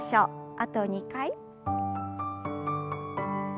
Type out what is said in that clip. あと２回。